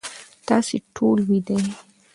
تاسی ټول ویده یی